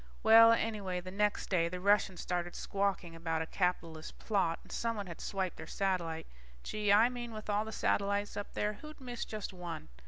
Well, anyway the next day, the Russians started squawking about a capitalist plot, and someone had swiped their satellite. Gee, I mean with all the satellites up there, who'd miss just one?